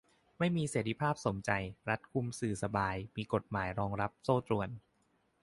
ไม่มีเสรีภาพสมใจ รัฐคุมสื่อสบาย มีกฎหมายรองรับโซ่ตรวน